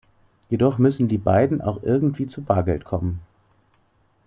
Jedoch müssen die beiden auch irgendwie zu Bargeld kommen.